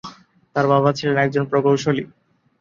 তার বাবা ছিলেন একজন প্রকৌশলী।